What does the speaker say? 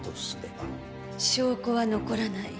証拠は残らない。